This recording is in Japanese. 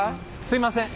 すいません。